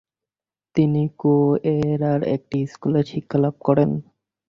তিনি কোয়েরার একটি স্কুলে শিক্ষা লাভ করেন।